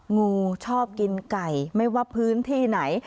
งูชอบกินไก่ไม่ว่าพื้นที่ไหน